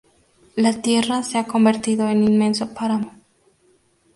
La tierra se ha convertido en inmenso páramo.